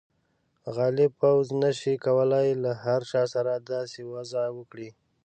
غالب پوځ نه شي کولای له هر چا سره داسې وضعه وکړي.